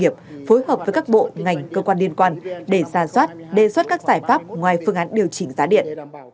nghiệp phối hợp với các bộ ngành cơ quan liên quan để ra soát đề xuất các giải pháp ngoài phương án điều chỉnh giá điện